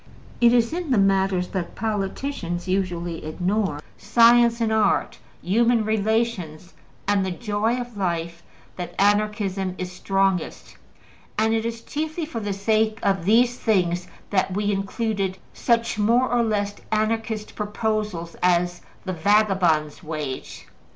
It is in the matters that politicians usually ignore science and art, human relations, and the joy of life that Anarchism is strongest, and it is chiefly for the sake of these things that we included such more or less Anarchist proposals as the ``vagabond's wage.''